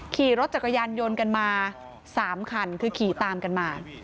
ขี่รถจักรยานยนต์กันมา๓คันคือขี่ตามกันมา